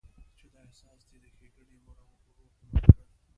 چې دا احساس دې د ښېګڼې روح مړ کړي.